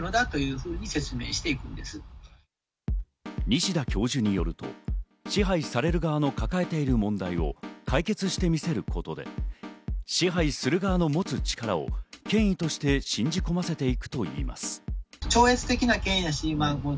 西田教授によると、支配される側の抱えている問題を解決して見せることで、支配する側の持つ力を権威として信じ込ませていくといいます。